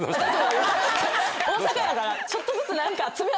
大阪やからちょっとずつ何か。